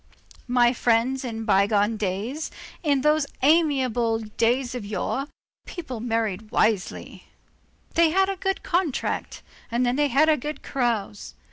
My friends, in bygone days, in those amiable days of yore, people married wisely; they had a good contract, and then they had a good carouse.